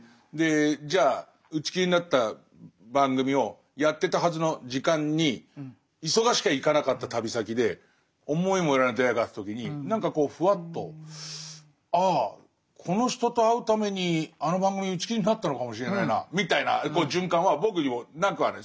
じゃあ打ち切りになった番組をやってたはずの時間に忙しきゃ行かなかった旅先で思いもよらない出会いがあった時に何かこうふわっとああこの人と会うためにあの番組打ち切りになったのかもしれないなみたいな循環は僕にもなくはない。